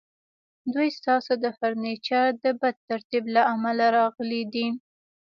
دوی ستاسو د فرنیچر د بد ترتیب له امله راغلي دي